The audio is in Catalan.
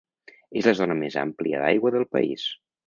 És la zona més àmplia d'aigua del país.